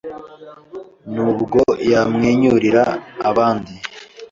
n’ubwo yamwenyurira abandi